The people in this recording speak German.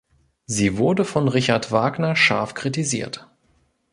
Sie wurde von Richard Wagner scharf kritisiert.